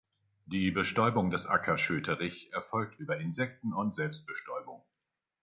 Die Bestäubung des Acker-Schöterich erfolgt über Insekten- und Selbstbestäubung.